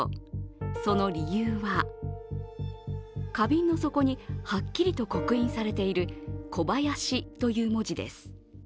その理由は、花瓶の底にはっきりと刻印されている小林という文字です。